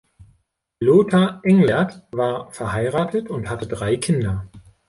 Lothar Englert war verheiratet und hatte drei Kinder.